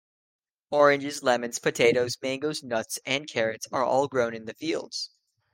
Oranges, lemons, potatoes, mangos, nuts and carrots are all grown in the fields.